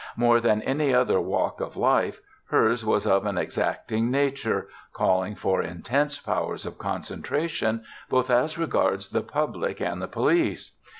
More than any other walk of life, hers was of an exacting nature, calling for intense powers of concentration both as regards the public and the police.